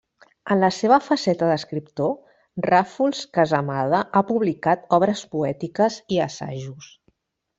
En la seva faceta d'escriptor, Ràfols-Casamada ha publicat obres poètiques i assajos.